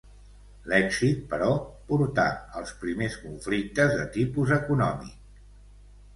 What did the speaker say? L'èxit, però, portà als primers conflictes de tipus econòmic.